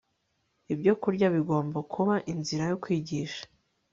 Ibyokurya bigomba kuba inzira yo kwigisha